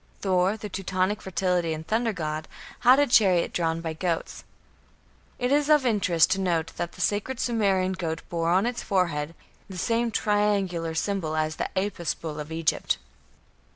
Thor, the Teutonic fertility and thunder god, had a chariot drawn by goats. It is of interest to note that the sacred Sumerian goat bore on its forehead the same triangular symbol as the Apis bull of Egypt.